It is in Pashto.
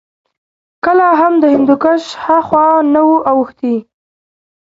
کله هم د هندوکش هاخوا نه وو اوښتي